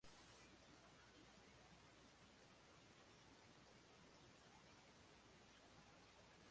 Su madera se utiliza para hacer lápices.